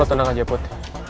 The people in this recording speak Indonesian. lo tenang aja put